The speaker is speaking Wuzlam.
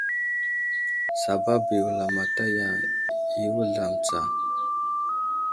Sabasaba i wulamataya i wuzlam tsa.